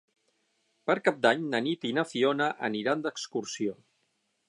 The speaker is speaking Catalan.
Per Cap d'Any na Nit i na Fiona aniran d'excursió.